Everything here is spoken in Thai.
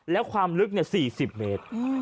แล้วความลึก๔๐เมตร